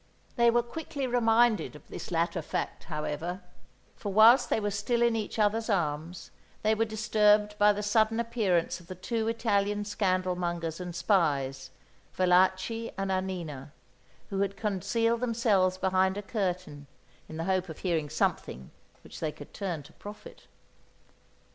They were quickly reminded of this latter fact, however; for whilst they were still in each other's arms they were disturbed by the sudden appearance of the two Italian scandal mongers and spies, Valachi and Annina, who had concealed themselves behind a curtain in the hope of hearing something which they could turn to profit.